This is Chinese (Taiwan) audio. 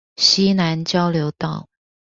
溪南交流道